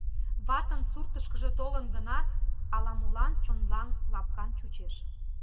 Ватын суртышкыжо толын гынат, ала-молан чонлан лапкан чучеш.